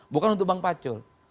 bukan untuk bang pacul